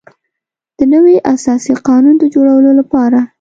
د نوي اساسي قانون د جوړولو لپاره.